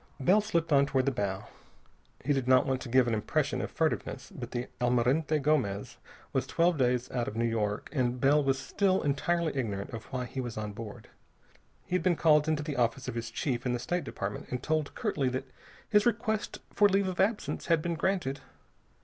Bell slipped on toward the bow. He did not want to give an impression of furtiveness, but the Almirante Gomez was twelve days out of New York and Bell was still entirely ignorant of why he was on board. He had been called into the office of his chief in the State Department and told curtly that his request for leave of absence had been granted.